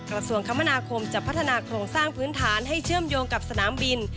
กระทรวงคมนาคมจะพัฒนาโครงสร้างพื้นฐานให้เชื่อมโยงกับสนามบิน